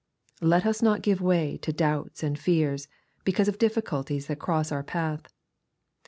Let us not give way to doubts and fears because of difficulties that cross our path.